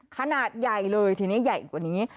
ขนาดใหญ่เลยทีนี้ใหญ่กว่านี้